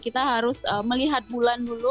kita harus melihat bulan dulu